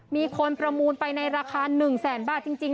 มีคนประมูลไปในราคา๑แสนบาทจริง